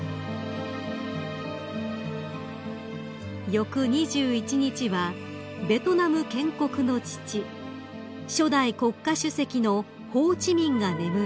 ［翌２１日はベトナム建国の父初代国家主席のホー・チ・ミンが眠る